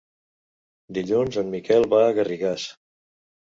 Dilluns en Miquel va a Garrigàs.